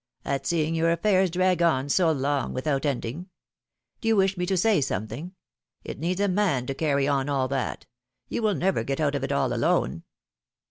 ^^At seeing your affairs drag on so long without ending — Do you wish rne to say something? It needs a man to carry on all that ! You will never get out of it all alone